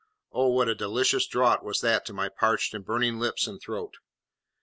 Oh, what a delicious draught was that to my parched and burning lips and throat!